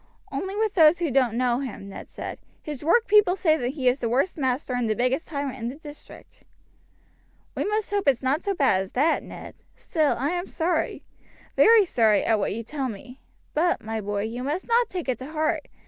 "Only with those who don't know him," Ned replied; "his workpeople say he is the worst master and the biggest tyrant in the district." "We must hope it's not so bad as that, Ned; still, I am sorry very sorry, at what you tell me; but, my boy, you must not take it to heart.